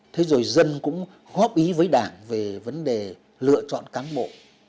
thế rồi dân cũng góp ý với đảng về vấn đề lựa chọn cán bộ